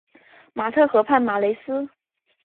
马特河畔马雷斯。